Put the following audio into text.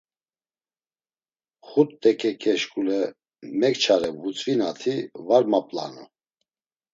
Xut t̆eǩeǩe şkule mekçare vutzvinati var map̌lanu.